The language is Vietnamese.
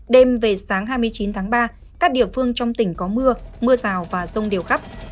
đêm về sáng hai mươi chín ba các địa phương trong tỉnh có mưa mưa rào và sông đều khắp